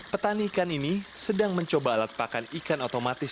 petani ikan ini sedang mencoba alat pakan ikan otomatis